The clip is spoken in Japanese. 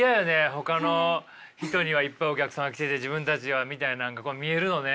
ほかの人にはいっぱいお客さんが来てて自分たちはみたいなんが見えるのね。